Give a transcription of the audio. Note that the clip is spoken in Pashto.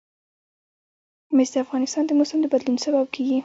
مس د افغانستان د موسم د بدلون سبب کېږي.